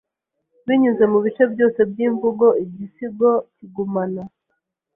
binyuze mu bice byose byimvugo Igisigo kigumana